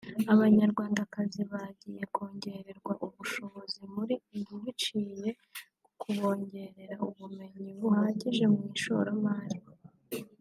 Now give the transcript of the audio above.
Abanyarwandakazi bagiye kongererwa ubushobozi muri iyi biciye ku kubongerera ubumenyi buhagije mu ishoramari